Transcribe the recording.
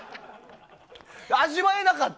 味わえなかった。